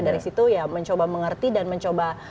dari situ ya mencoba mengerti dan mencoba